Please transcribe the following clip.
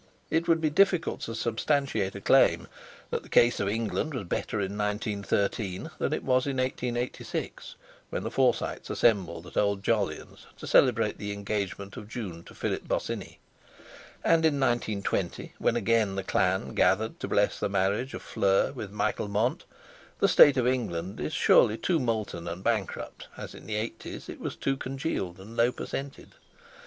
It would be difficult to substantiate a claim that the case of England was better in 1913 than it was in 1886, when the Forsytes assembled at Old Jolyon's to celebrate the engagement of June to Philip Bosinney. And in 1920, when again the clan gathered to bless the marriage of Fleur with Michael Mont, the state of England is as surely too molten and bankrupt as in the eighties it was too congealed and low percented.